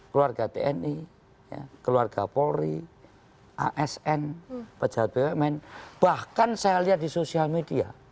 keluarga tni keluarga polri asn pejabat bumn bahkan saya lihat di sosial media